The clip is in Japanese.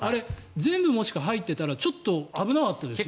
全部入っていたらちょっと危なかったですよね。